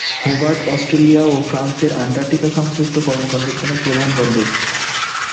Hobart Australia ও ফ্রান্সের অ্যান্টার্কটিকা-সংশ্লিষ্ট কর্মকাণ্ডের জন্য প্রধান বন্দর।